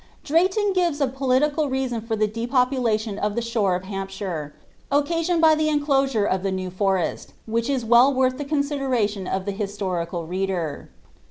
Drayton gires a political reason for (he depopulation of ihe shore of ihnnpebire, occasioned by the enclosnre of the New Forest, which is well worth the conaideraiion of the historical reader.